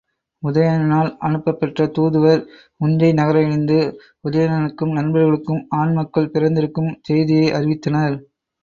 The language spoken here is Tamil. உதயணனால் அனுப்பப் பெற்ற தூதுவர், உஞ்சை நகரடைந்து உதயணனுக்கும் நண்பர்களுக்கும் ஆண் மக்கள் பிறந்திருக்கும் செய்தியை அறிவித்தனர்.